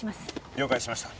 了解しました。